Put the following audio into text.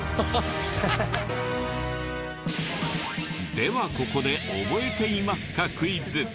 ではここで覚えていますかクイズ。